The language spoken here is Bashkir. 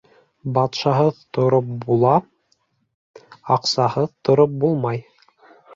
Батшаһыҙ тороп була, аҡсаһыҙ тороп булмай.